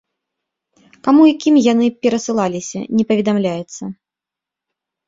Каму і кім яны перасылаліся, не паведамляецца.